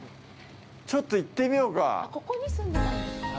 ちょっと行ってみようか。